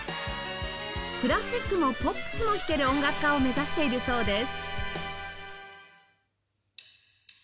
クラシックもポップスも弾ける音楽家を目指しているそうです